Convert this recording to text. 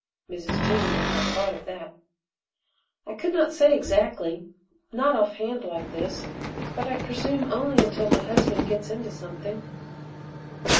Mrs. Toomey had not thought of that. "I could not say exactly not off hand like this but I presume only until my husband gets into something."